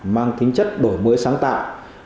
mang tính chất đổi mới sáng tạo